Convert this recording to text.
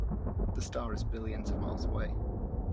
The star is billions of miles away.